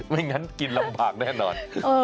ไม่งั้นกินลำบากแน่นอน